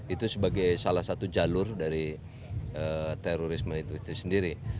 itu sebagai salah satu jalur dari terorisme itu sendiri